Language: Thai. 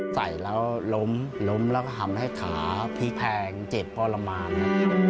ใส่แล้วล้มล้มแล้วก็หำให้ขาพีแผงเจ็บพอละมานนะ